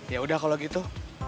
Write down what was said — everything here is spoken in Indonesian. ya udah kalau gitu